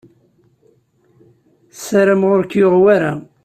Ssarameɣ ur k-yuɣ wara.